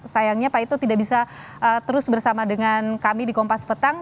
sayangnya pak ito tidak bisa terus bersama dengan kami di kompas petang